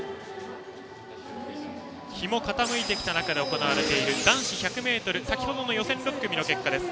日も傾いてきた中で行われている男子１００ｍ先程の予選６組の結果です。